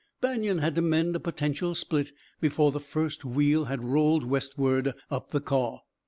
Banion had to mend a potential split before the first wheel had rolled westward up the Kaw.